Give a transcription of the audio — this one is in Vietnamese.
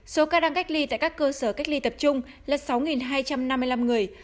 số ca đang cách ly tại các cơ sở cách ly tập trung là sáu hai trăm năm mươi năm người